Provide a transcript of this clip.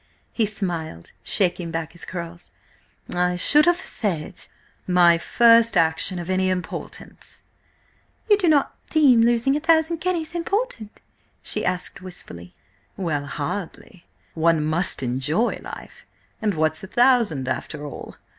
He smiled, shaking back his curls. "I should have said: my first action of any importance." "You do not deem losing a thousand guineas important?" she asked wistfully. "Well–hardly. One must enjoy life, and what's a thousand, after all?